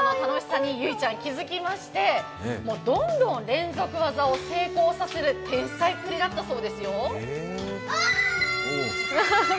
小学１年生の頃けん玉の楽しさに結ちゃん気づきましてどんどん連続技を成功させる天才っぷりだったそうですよ。